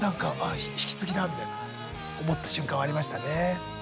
みたいな思った瞬間はありましたね。